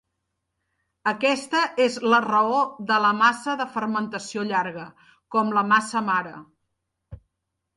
Aquesta és la raó de la massa de fermentació llarga, com la massa mare.